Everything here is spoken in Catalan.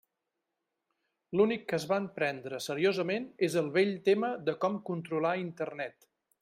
L'únic que es van prendre seriosament és el vell tema de com controlar Internet.